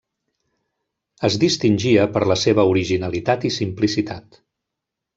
Es distingia per la seva originalitat i simplicitat.